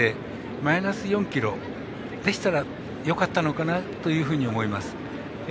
マイナス４ｋｇでしたらよかったのかなというふうに思います。